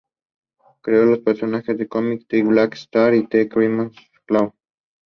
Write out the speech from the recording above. The award recognizes "demonstrations of intellectual courage to challenge the system from within".